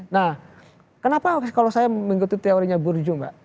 nah kenapa kalau saya mengikuti teorinya burjo mbak